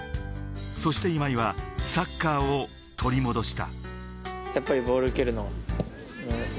そして今井はサッカーを取り戻した。